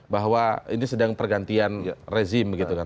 bahwa ini sedang pergantian rezim gitu kan